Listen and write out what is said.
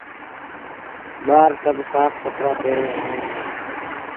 ٻآر سڀ سآڦ ڪپڙآ پهري ائيٚݩ دآ۔